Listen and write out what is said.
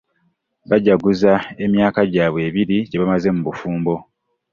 Bajaguza emyaka gyabwe abiri gyebamaze mu bufumbo.